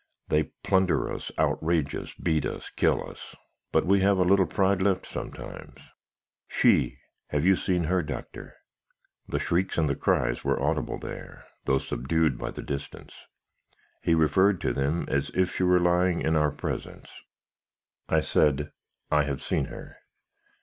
They plunder us, outrage us, beat us, kill us; but we have a little pride left, sometimes. She have you seen her, Doctor?' "The shrieks and the cries were audible there, though subdued by the distance. He referred to them, as if she were lying in our presence. "I said, 'I have seen her.'